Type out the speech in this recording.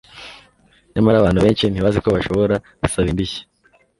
nyamara abantu benshi ntibazi ko bashobora gusaba indishyi